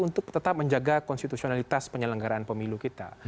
untuk tetap menjaga konstitusionalitas penyelenggaraan pemilu kita